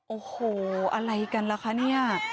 โอ้โหอะไรกันล่ะคะเนี่ย